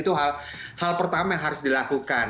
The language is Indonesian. itu hal pertama yang harus dilakukan